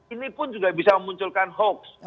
ini pun juga bisa memunculkan hoax